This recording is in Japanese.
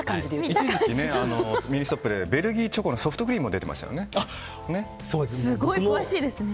一時期ミニストップでベルギーチョコのソフトクリームも出ていましたよね。